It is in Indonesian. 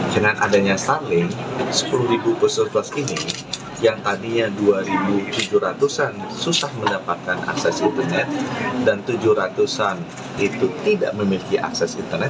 dengan adanya starling sepuluh bus surplus ini yang tadinya dua tujuh ratus an susah mendapatkan akses internet dan tujuh ratus an itu tidak memiliki akses internet